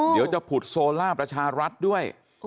เดี๋ยวจะผุดโซล่าประชารัฐด้วย